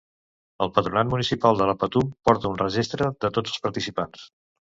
El Patronat Municipal de la Patum porta un registre de tots els participants.